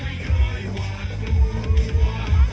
กลับไปรับไป